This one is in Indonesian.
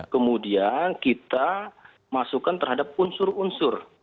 kemudian kita masukkan terhadap unsur unsur